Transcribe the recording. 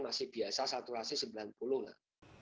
masih biasa saturasi sembilan puluh lah